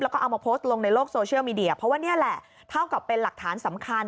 แล้วก็เอามาโพสต์ลงในโลกโซเชียลมีเดียเพราะว่านี่แหละเท่ากับเป็นหลักฐานสำคัญ